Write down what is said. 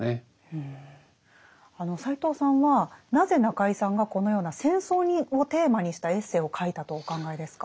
斎藤さんはなぜ中井さんがこのような戦争をテーマにしたエッセイを書いたとお考えですか？